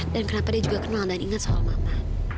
dan kenapa dia juga kenal dan inget soal mama